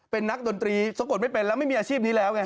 เป็นนักดนตรีสะกดไม่เป็นแล้วไม่มีอาชีพนี้แล้วไง